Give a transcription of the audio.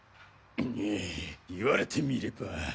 ん言われてみれば。